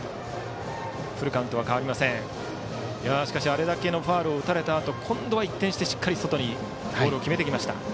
あれだけのファウルを打たれたあと今度は一転してしっかり外にボールを決めてきました。